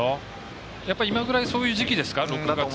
今ぐらいそういう時期ですか。